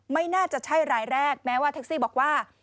ไม่น่าจะใช่รายแรกแม้ว่าแท็กซี่บอกว่า